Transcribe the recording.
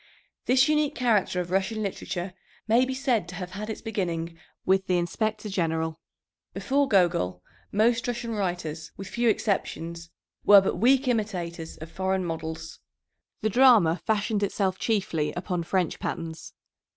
This unique character of Russian literature may be said to have had its beginning with the Inspector General. Before Gogol most Russian writers, with few exceptions, were but weak imitators of foreign models. The drama fashioned itself chiefly upon French patterns.